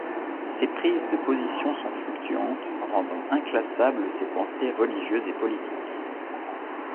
Ses prises de positions sont fluctuantes, rendant inclassables ses pensées religieuses et politiques.